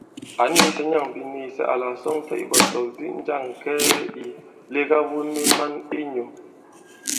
Ǎ nīīsɛ̄ nyâŋ biniisɛ àla à sɔŋtɛ ìɓɔ̀tɔ̀kdi njâŋ kɛɛ ì lega wu ni mǎn i nyū.